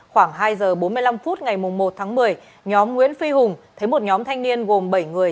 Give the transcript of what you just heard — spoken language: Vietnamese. khoảng hai giờ bốn mươi năm phút ngày một tháng một mươi nhóm nguyễn phi hùng thấy một nhóm thanh niên gồm bảy người